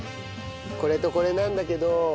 これとこれなんだけど。